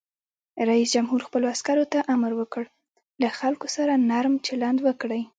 رئیس جمهور خپلو عسکرو ته امر وکړ؛ له خلکو سره نرم چلند وکړئ!